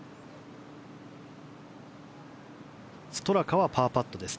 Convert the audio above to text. ストラカはパーパットです。